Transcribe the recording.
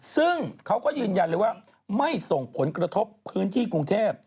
ซึ่งเขาก็ยืนยันเลยว่าไม่ส่งผลกระทบพื้นที่กรุงเทพ